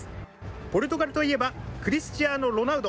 ポルトガルといえば、クリスチアーノ・ロナウド。